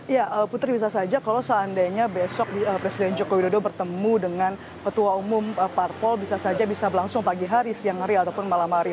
ya putri bisa saja kalau seandainya besok presiden joko widodo bertemu dengan ketua umum parpol bisa saja bisa berlangsung pagi hari siang hari ataupun malam hari